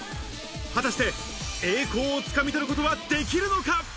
果たして栄光を掴み取ることはできるのか？